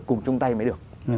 cùng chung tay mới được